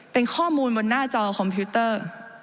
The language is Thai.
เป็นข้อมูลบนหน้าจอคอมพิวเตอร์